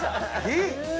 えっ！